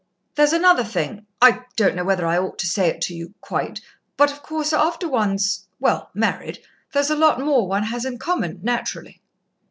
"There's another thing I don't know whether I ought to say it to you, quite but, of course, after one's well, married there's a lot more one has in common, naturally."